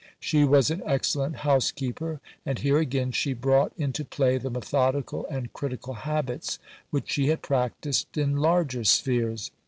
She was an excellent housekeeper; and here again she brought into play the methodical and critical habits which she had practised in larger spheres.